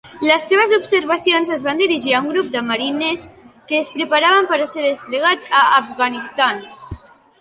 "Les seves observacions es van dirigir a un grup de marines que es preparaven per ser desplegats a Afganistan."